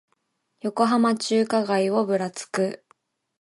横浜中華街をぶらつく